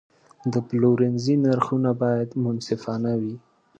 د پلورنځي نرخونه باید منصفانه وي.